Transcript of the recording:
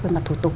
về mặt thủ tục